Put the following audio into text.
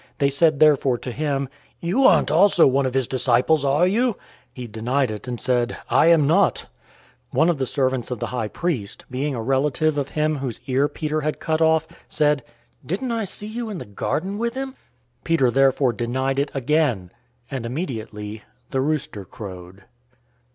They said therefore to him, "You aren't also one of his disciples, are you?" He denied it, and said, "I am not." 018:026 One of the servants of the high priest, being a relative of him whose ear Peter had cut off, said, "Didn't I see you in the garden with him?" 018:027 Peter therefore denied it again, and immediately the rooster crowed.